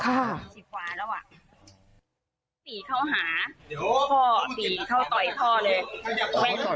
เห็นว่าลูกพ่อก็ออกมาช่วยกัน